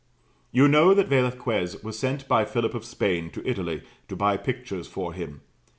You know that Velasquez was sent by Philip of Spain to Italy, to buy pictures for him.